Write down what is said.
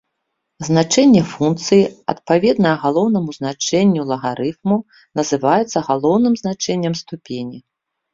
Значэнне функцыі, адпаведнае галоўнаму значэнню лагарыфму, называецца галоўным значэннем ступені.